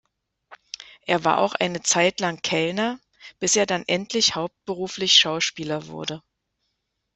Er war auch eine Zeit lang Kellner bis er dann endlich hauptberuflich Schauspieler wurde.